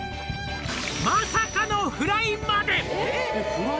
「まさかのフライまで」